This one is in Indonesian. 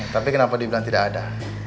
tapi kenapa dibilang tidak ada